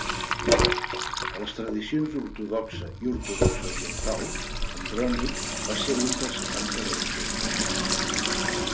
A les tradicions ortodoxa i ortodoxa oriental, Andrònic va ser un dels Setanta deixebles.